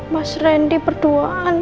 mas rendy berduaan